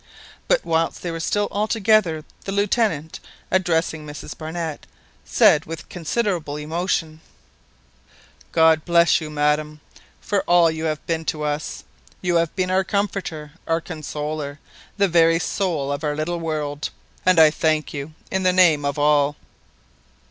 But whilst they were still altogether, the Lieutenant, addressing Mrs Barnett, said with considerable emotion— "God bless you, madam, for all you have been to us. You have been our comforter, our consoler, the very soul of our little world; and I thank you in the name of all."